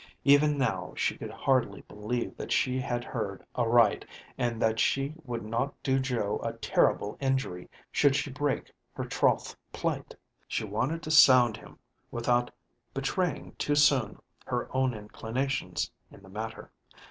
Even now she could hardly believe that she had heard aright, and that she would not do Joe a terrible injury should she break her troth plight. She wanted to sound him without betraying too soon her own inclinations in the matter.